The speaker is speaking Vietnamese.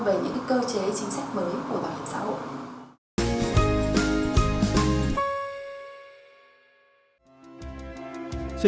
về những cơ chế chính sách mới của bảo hiểm xã hội